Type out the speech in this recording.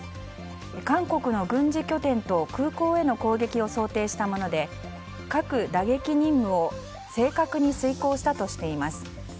韓国の軍事拠点と空港への攻撃を想定したもので核打撃任務を正確に遂行したとしています。